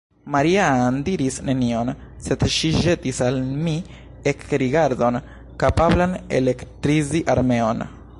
Maria-Ann diris nenion; sed ŝi ĵetis al mi ekrigardon, kapablan elektrizi armeon.